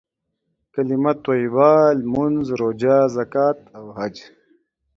کليمه طيبه، لمونځ، روژه، زکات او حج.